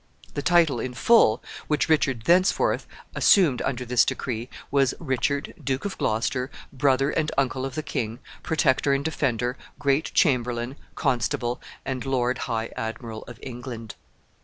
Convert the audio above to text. The title in full, which Richard thenceforth assumed under this decree, was, Richard, Duke of Gloucester, brother and uncle of the king, Protector and Defender, Great Chamberlain, Constable, and Lord High Admiral of England.